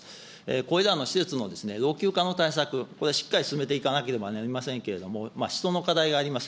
これらの施設の老朽化の対策、これ、しっかり進めていかなければなりませんけれども、人の課題があります。